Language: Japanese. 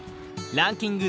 ランキング